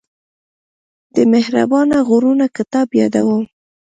د مهربانه غرونه کتاب يادوم.